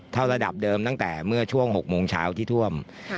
ระดับเดิมตั้งแต่เมื่อช่วง๖โมงเช้าที่ท่วม